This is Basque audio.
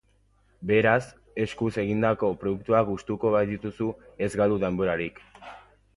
Beraz, eskuz egindako produktuak gustuko badituzu ez galdu denborarik.